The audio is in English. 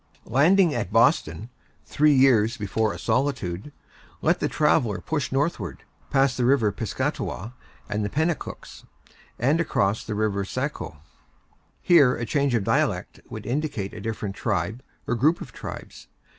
Landing at Boston, three years before a solitude, let the traveller push northward, pass the River Piscataqua and the Penacooks, and cross the River Saco. Here, a change of dialect would indicate a different tribe, or group of tribes.